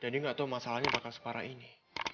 jadi dia gak tau masalahnya bakal separah ini